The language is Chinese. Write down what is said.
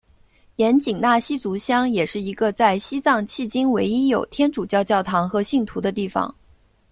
盐井纳西族乡也是一个在西藏迄今唯一有天主教教堂和信徒的地方。